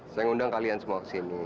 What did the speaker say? saya ngundang kalian semua ke sini